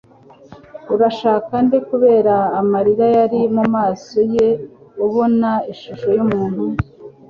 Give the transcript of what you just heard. Urashaka nde?» Kubera amarira yari mu maso ye abona ishusho y'umuntu,